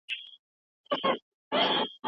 وچو شونډو مې پرانیستي وو زخمونه